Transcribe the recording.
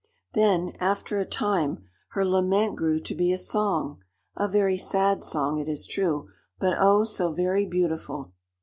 Then, after a time, her lament grew to be a song, a very sad song, it is true; but oh, so very beautiful!